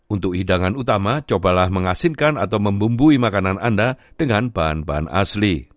untuk hidangan utama cobalah mengasinkan atau membumbui makanan anda dengan bahan bahan asli